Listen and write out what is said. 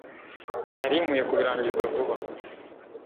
nari nkwiye kubirangiza vuba